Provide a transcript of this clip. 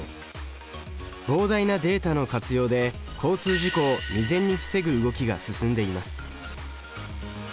膨大なデータの活用で交通事故を未然に防ぐ動きが進んでいます。